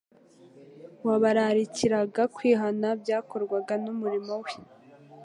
wabararikiraga kwihana, byakorwaga n'umurimo we.